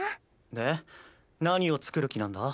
で何を作る気なんだ？